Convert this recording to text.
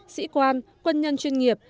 sĩ quan quân nhân chuyên nghiệp